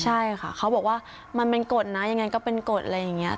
ใช่ค่ะเขาบอกว่ามันเป็นกฎนะยังไงก็เป็นกฎอะไรอย่างนี้